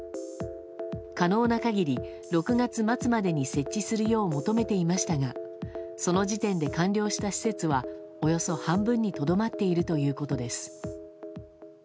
可能な限り６月末までに設置するよう求めていましたがその時点で完了した施設はおよそ半分にとどまっているということです。